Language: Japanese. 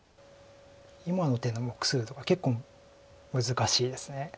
今の手の目数とか結構難しいです。